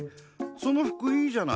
その服いいじゃない。